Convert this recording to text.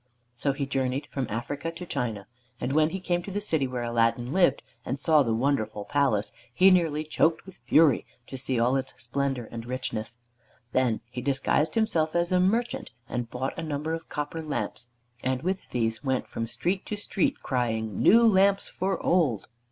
So he journeyed from Africa to China, and when he came to the city where Aladdin lived and saw the wonderful palace, he nearly choked with fury to see all its splendor and richness. Then he disguised himself as a merchant, and bought a number of copper lamps, and with these went from street to street, crying, "New lamps for old."